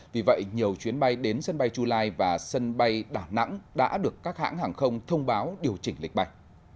vì vậy nhiều chuyến bay đến sân bay chulai và sân bay đà nẵng đã được các hãng hàng không thông báo điều chỉnh lịch bày